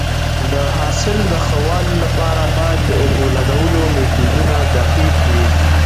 د حاصل د ښه والي لپاره باید د اوبو لګولو میتودونه دقیق وي.